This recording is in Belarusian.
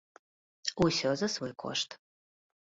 Усё за свой кошт!